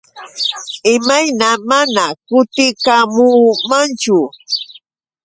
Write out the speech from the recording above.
¿Imayna mana kutikamunmanchu?